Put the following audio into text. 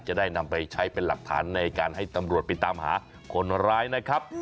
จะได้นำไปใช้เป็นหลักฐานในการให้ตำรวจไปตามหาคนร้ายนะครับ